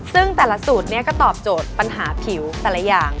ซึ่งแต่ละสูตรก็ตอบโจทย์ปัญหาผิวแต่ละอย่าง